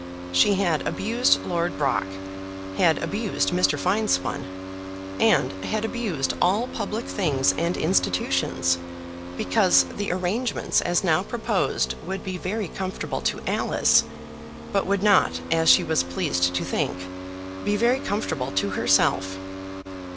She had abused Lord Brock, had abused Mr. Finespun, and had abused all public things and institutions, because the arrangements as now proposed would be very comfortable to Alice, but would not, as she was pleased to think, be very comfortable to herself.